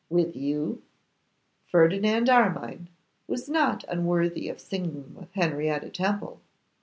'With you?' Ferdinand Armine was not unworthy of singing with Henrietta Temple.